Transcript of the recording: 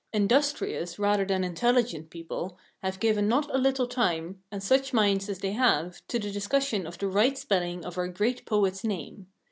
Industrious, rather than intelligent, people have given not a little time, and such minds as they have, to the discussion of the right spelling of our great poet's name.